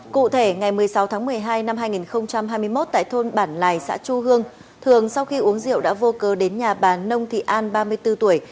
cụ thể ngày một mươi sáu tháng một mươi hai năm hai nghìn hai mươi một tại thôn bản lài xã chu hương thường sau khi uống rượu đã vô cơ đến nhà bà nông thị an ba mươi bốn tuổi